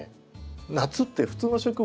夏って普通の植物